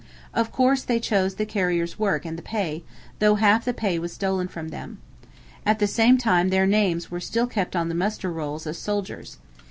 Of course, they chose the carrier's work and the pay, though half the pay was stolen from them. At the same time their names were still kept on the muster rolls as soldiers.